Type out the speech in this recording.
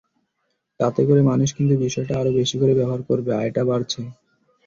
তাতে করে মানুষ কিন্তু আরও বেশি করে ব্যবহার করবে আয়টা বাড়ছে।